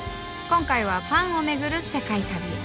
今回はパンをめぐる世界旅へ。